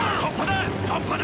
突破だ！